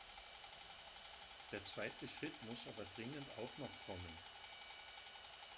Der zweite Schritt muss aber dringend auch noch kommen!